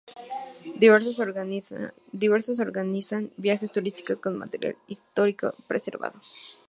Diversas organizan viajes turísticos con material histórico preservado.